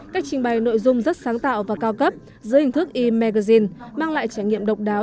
cách trình bày nội dung rất sáng tạo và cao cấp dưới hình thức imegusine mang lại trải nghiệm độc đáo